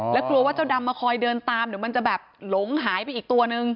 แล้วกลัวว่าเจ้าดำมาคอยเดินตามเดี๋ยวมันจะแบบหลงหายไปอีกตัวนึง